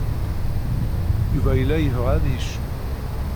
Yuba yella yebɣa ad yecnu.